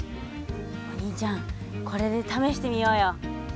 お兄ちゃんこれでためしてみようよ。